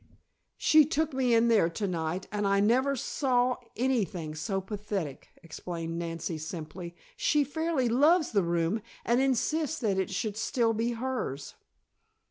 She took me in there to night and I never saw anything so pathetic," explained Nancy simply. "She fairly loves the room and insists that it should still be hers."